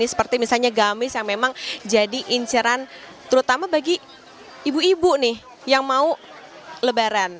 seperti misalnya gamis yang memang jadi inceran terutama bagi ibu ibu nih yang mau lebaran